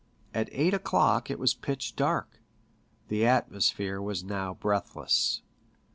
At eight o'clock it was pitch dark. The atmosphere was now breathless.